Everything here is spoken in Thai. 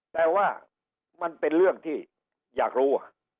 แต่ว่ามันเป็นเรื่องที่อยากรู้